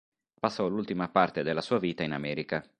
Passò l'ultima parte della sua vita in America.